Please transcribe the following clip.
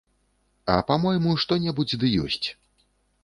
А, па-мойму, што-небудзь ды ёсць.